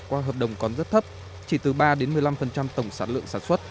qua hợp đồng còn rất thấp chỉ từ ba một mươi năm tổng sản lượng sản xuất